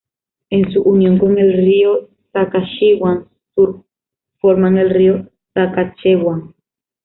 En su unión con el río Saskatchewan Sur forman el río Saskatchewan.